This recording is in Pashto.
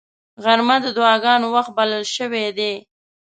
غرمه د دعاګانو وخت بلل شوی دی